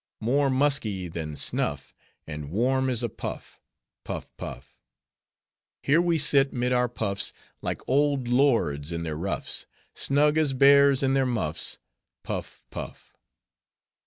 More musky than snuff, And warm is a puff:— Puff! Puff! Here we sit mid our puffs, Like old lords in their ruffs, Snug as bears in their muffs:— Puff! Puff!